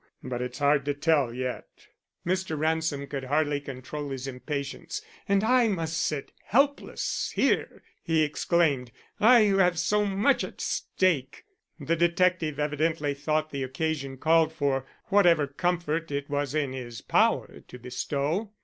But it's hard to tell yet." Mr. Ransom could hardly control his impatience. "And I must sit helpless here!" he exclaimed. "I who have so much at stake!" The detective evidently thought the occasion called for whatever comfort it was in his power to bestow.